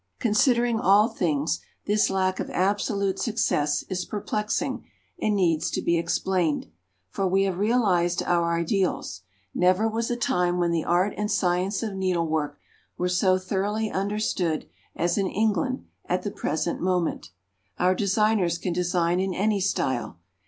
Considering all things, this lack of absolute success is perplexing and needs to be explained. For we have realised our ideals. Never was a time when the art and science of needlework were so thoroughly understood as in England at the present moment. Our designers can design in any style.